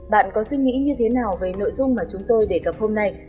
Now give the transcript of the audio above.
bạn có suy nghĩ như thế nào về nội dung mà chúng tôi đề cập hôm nay